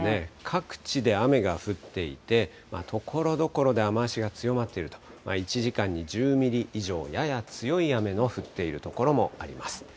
各地で雨が降っていて、ところどころで雨足が強まっていると、１時間に１０ミリ以上、やや強い雨の降っている所もあります。